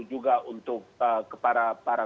juga untuk para